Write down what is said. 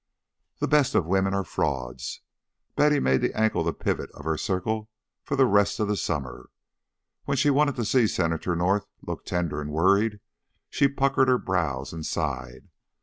The best of women are frauds. Betty made that ankle the pivot of her circle for the rest of the summer. When she wanted to see Senator North look tender and worried, she puckered her brows and sighed.